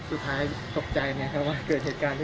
สุดท้ายตกใจไหมครับว่าเกิดเหตุการณ์นี้